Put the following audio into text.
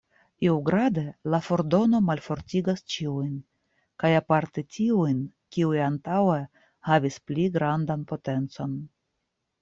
Iugrade, la fordono malfortigas ĉiujn kaj aparte tiujn, kiuj antaŭe havis pli grandan potencon.